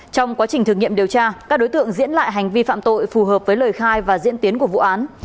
trong quá trình thử nghiệm điều tra các đối tượng diễn lại hành vi phạm tội phù hợp với lời khai và diễn tiến của vụ án